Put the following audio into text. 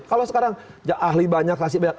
kalau sekarang ahli banyak kasih banyak